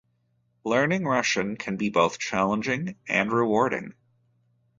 Learning Russian can be both challenging and rewarding.